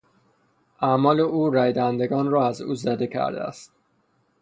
اعمال او رایدهندگان را از او زده کرده است.